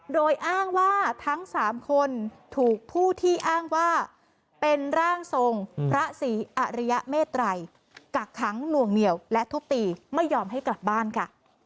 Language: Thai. โดยอ้างว่าทั้ง๓คนถูกผู้ที่อ้างว่าเป็นร่างทรงพระศรีอริยเมตรัยกักขังหน่วงเหนียวและทุบตีไม่ยอมให้กลับบ้านค่ะ